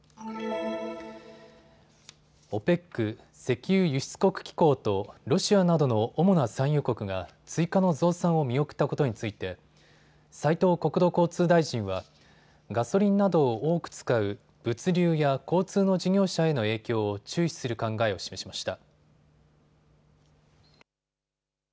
ＯＰＥＣ・石油輸出国機構とロシアなどの主な産油国が追加の増産を見送ったことについて斉藤国土交通大臣はガソリンなどを多く使う物流や交通の事業者への影響を注視する考えを示しました。